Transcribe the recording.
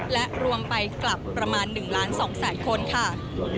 และรวมไปกลับประมาณ๑ล้าน๒แสนคนค่ะ